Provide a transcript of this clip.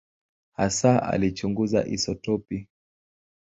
Hasa alichunguza isotopi.